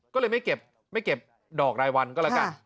ก็เลยไม่เก็บดอกรายวันก็แล้วกัน